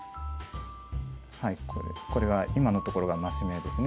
これは今のところが増し目ですね